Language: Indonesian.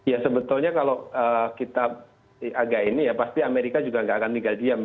ya sebetulnya kalau kita agak ini ya pasti amerika juga nggak akan tinggal diam